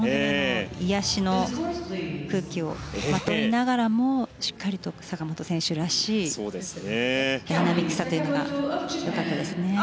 癒やしの空気をまといながらもしっかりと坂本選手らしいダイナミックさというのがよかったですね。